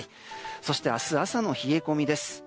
そして明日朝の冷え込みです。